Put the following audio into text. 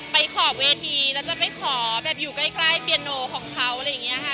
ขอบเวทีแล้วจะไปขอแบบอยู่ใกล้เปียโนของเขาอะไรอย่างนี้ค่ะ